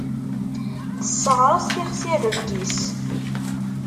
Tesseɣres tixsi rrebg-is.